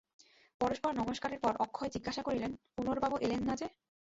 পরস্পর নমস্কারের পর অক্ষয় জিজ্ঞাসা করিলেন, পূর্ণবাবু এলেন না যে?